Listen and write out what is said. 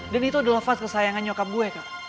dan itu adalah vas kesayangan nyokap gue kak